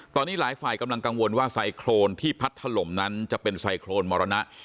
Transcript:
ตอนนี้หลายฝ่ายกำลังกังวลว่าไซโครนที่พัดถล่มนั้นจะเป็นไซโครนมรณะ